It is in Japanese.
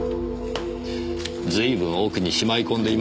ずいぶん奥にしまい込んでいましたねぇ。